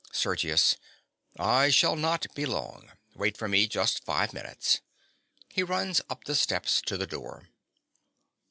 SERGIUS. I shall not be long. Wait for me just five minutes. (_He runs up the steps to the door.